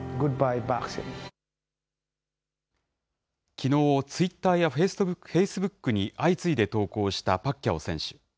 きのう、ツイッターやフェイスブックに相次いで投稿したパッキャオ選手。